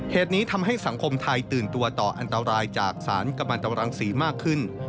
เหตุนี้ทำให้สังคมไทยตื่นตัวต่ออันตรายจากสารกำลังตรังศรีมากขึ้น